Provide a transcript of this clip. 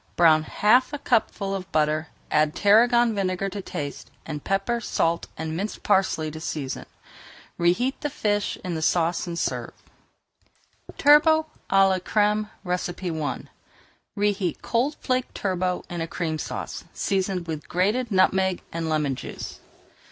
Brown half a cupful of butter, add tarragon vinegar to taste, and pepper, salt, and minced parsley to season. Reheat the fish in the sauce and serve. [Page 431] TURBOT À LA CRÈME I Reheat cold flaked turbot in a Cream Sauce, seasoning with grated nutmeg and lemon juice.